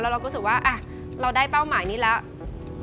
เราก็รู้สึกว่าเราได้เป้าหมายนี้แล้ว